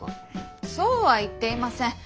そうは言っていません。